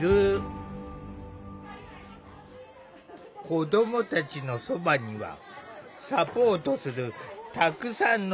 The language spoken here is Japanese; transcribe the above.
子どもたちのそばにはサポートするたくさんの大人の姿が。